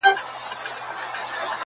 ستړې سوې مو درګاه ته یم راغلې-